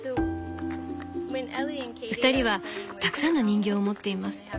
２人はたくさんの人形を持っています。